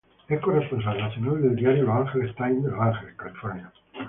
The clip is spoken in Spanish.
Es corresponsal nacional del diario Los Angeles Times, de Los Ángeles, California.